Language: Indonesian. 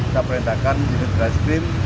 kita perintahkan di jenis trasekrim